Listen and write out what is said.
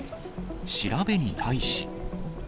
調べに対し。